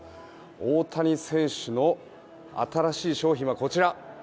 大谷選手の新しい商品はこちら。